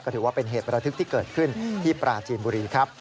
ถือว่าเป็นเหตุประทึกที่เกิดขึ้นที่ปราจีนบุรีครับ